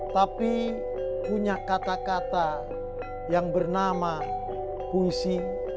tapi punya kata kata yang bernama puisi